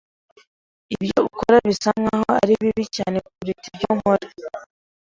Ibyo ukora bisa nkaho ari bibi cyane kuruta ibyo nkora.